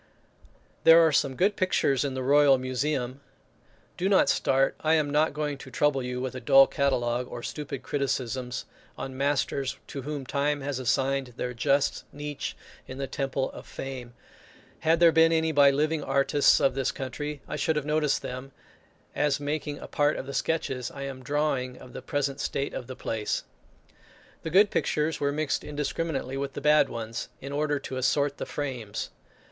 There are some good pictures in the royal museum. Do not start, I am not going to trouble you with a dull catalogue, or stupid criticisms on masters to whom time has assigned their just niche in the temple of fame; had there been any by living artists of this country, I should have noticed them, as making a part of the sketches I am drawing of the present state of the place. The good pictures were mixed indiscriminately with the bad ones, in order to assort the frames.